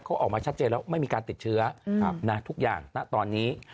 เขาออกมาชัดเจนแล้วไม่มีการติดเชื้อทุกอย่างนะตอนนี้